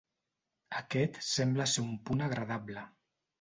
Aquest sembla ser un punt agradable.